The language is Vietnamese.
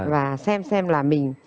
và xem xem là mình